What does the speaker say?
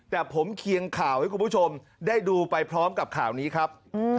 แต่ผมเคียงข่าวให้คุณผู้ชมได้ดูไปพร้อมกับข่าวนี้ครับ